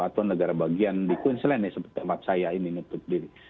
atau negara bagian di queensland ya seperti maaf saya ini nutup diri